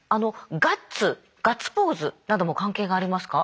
ガッツガッツポーズなども関係がありますか？